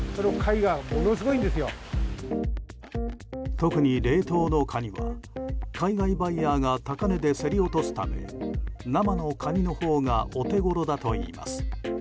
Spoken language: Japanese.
特に冷凍のカニは海外バイヤーが高値で競り落とすため生のカニのほうがお手ごろだといいます。